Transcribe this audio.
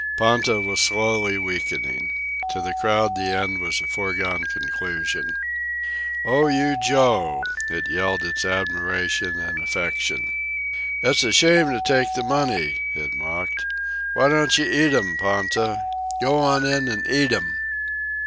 Ponta was slowly weakening. To the crowd the end was a foregone conclusion. "Oh, you, Joe!" it yelled its admiration and affection. "It's a shame to take the money!" it mocked. "Why don't you eat 'm, Ponta? Go on in an' eat 'm!"